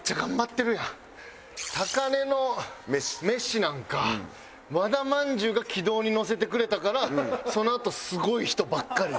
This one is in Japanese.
「高値の飯」なんか和田まんじゅうが軌道に乗せてくれたからそのあとすごい人ばっかり。